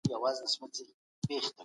د تفصيل پوښتنه ئې هم ونه کړه.